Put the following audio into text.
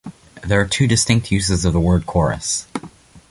There are two distinct uses of the word chorus.